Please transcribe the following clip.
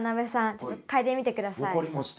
ちょっと嗅いでみて下さい。